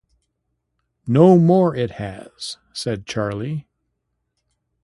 ‘No more it has,’ said Charley.